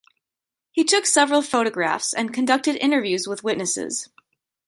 He took several photographs and conducted interviews with witnesses.